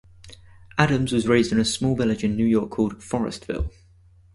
Adams was raised in a small village in New York called, Forestville.